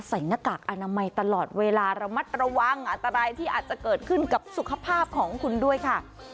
หน้ากากอนามัยตลอดเวลาระมัดระวังอันตรายที่อาจจะเกิดขึ้นกับสุขภาพของคุณด้วยค่ะ